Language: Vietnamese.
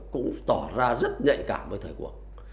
cũng tỏ ra rất nhạy cảm với thời cuộc